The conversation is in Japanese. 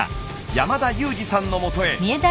山田雄司さんのもとへ。